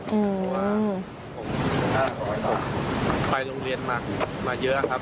เพราะว่าผมไปโรงเรียนมาเยอะครับ